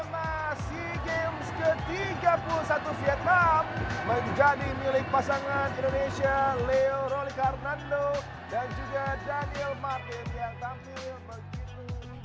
sea games ke tiga puluh satu vietnam menjadi milik pasangan indonesia leo roli carnando dan juga daniel martin